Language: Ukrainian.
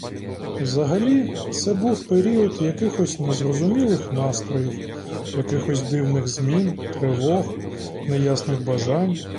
Взагалі це був період якихось незрозумілих настроїв, якихось дивних змін, тривог, неясних бажань.